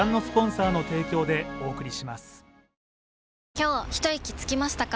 今日ひといきつきましたか？